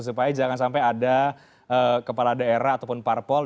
supaya jangan sampai ada kepala daerah ataupun parpol